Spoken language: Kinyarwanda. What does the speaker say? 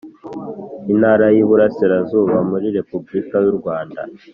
Intara y Iburasirazuba muri Repubulika y urwanda